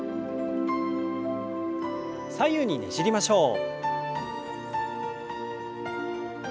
左右にねじりましょう。